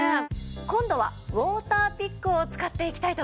今度はウォーターピックを使っていきたいと思います。